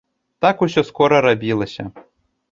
Так усё скора рабілася.